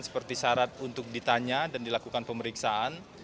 seperti syarat untuk ditanya dan dilakukan pemeriksaan